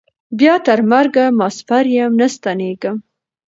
بیا تر مرګه مساپر یم نه ستنېږم